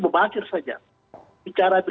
memahamkan saja bicara